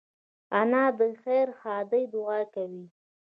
انا د خیر ښادۍ دعا کوي